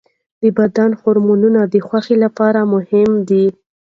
د بدن هورمونونه د خوښۍ لپاره مهم دي.